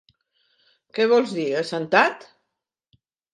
Què vols dir, assentat?